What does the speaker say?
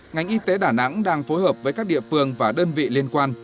ngành y tế đà nẵng đang phối hợp với các địa phương và đơn vị liên quan